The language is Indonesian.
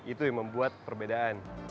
itu yang membuat perbedaan